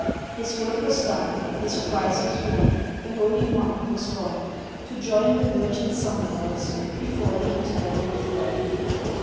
His work was done, his prize was won, The holy Monk was gone, To join the virgin song notes, Before th' Eternal Throne.